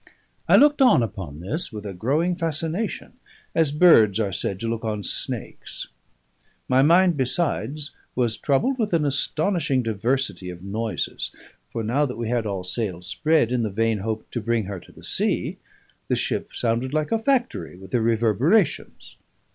I looked on upon this with a growing fascination, as birds are said to look on snakes. My mind, besides, was troubled with an astonishing diversity of noises; for now that we had all sails spread in the vain hope to bring her to the sea, the ship sounded like a factory with their reverberations.